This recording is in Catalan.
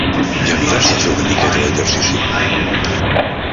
Ja mires de fer una miqueta d'exercici?